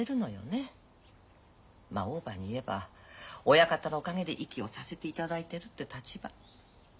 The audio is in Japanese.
まオーバーに言えば親方のおかげで息をさせていただいてるって立場。